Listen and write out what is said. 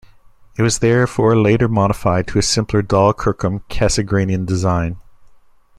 It was therefore later modified to a simpler Dall-Kirkham Cassegrainian design.